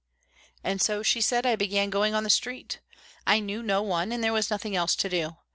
"And so," she said, "I began going on the street. I knew no one and there was nothing else to do.